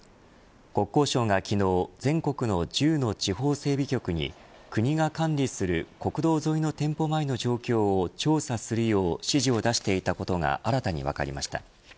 国交省が昨日全国の１０の地方整備局に国が管理する国道沿いの店舗前の状況を調査するよう指示を出していたことが新たに分かりました。